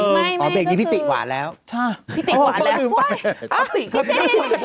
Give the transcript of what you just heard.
ไม่ก็คือใช่พี่ติหวานแล้วโอ้โฮก็ลืมไปพี่ติ